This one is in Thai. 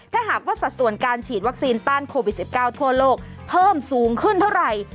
ถ้าหากว่าสัดส่วนการฉีดวัคซีนต้านโควิด๑๙ทั่วโลกเพิ่มสูงขึ้นเท่าไหร่